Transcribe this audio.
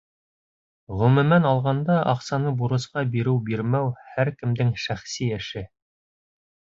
Ғөмүмән алғанда, аҡсаны бурысҡа биреү-бирмәү — һәр кемдең шәхси эше.